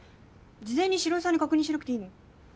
事前に城井さんに確認しなくていいの？